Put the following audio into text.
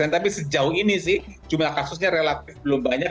tapi sejauh ini sih jumlah kasusnya relatif belum banyak